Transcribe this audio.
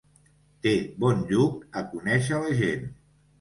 Té bon lluc a conèixer la gent.